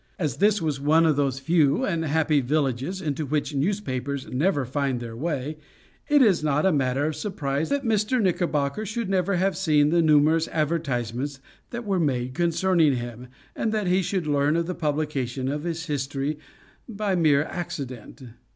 As this was one of those few and happy villages, into which newspapers never find their way, it is not a matter of surprise, that Mr. Knickerbocker should never have seen the numerous advertisements that were made concerning him; and that he should learn of the publication of his history by mere accident.